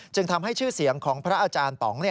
ทำให้ชื่อเสียงของพระอาจารย์ป๋อง